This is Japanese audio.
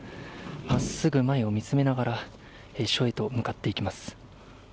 真っすぐ前を見つめながら署へと向かっていきます。